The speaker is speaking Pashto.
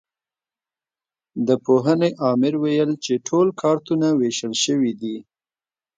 د پوهنې امر ویل چې ټول کارتونه وېشل شوي دي.